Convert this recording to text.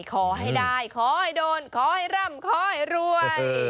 ขอให้ได้ขอให้โดนขอให้ร่ำขอให้รวย